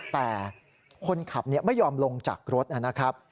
แต่คนขับไม่ยอมลงจากรถนะครับ